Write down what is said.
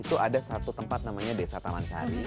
itu ada satu tempat namanya desa taman sari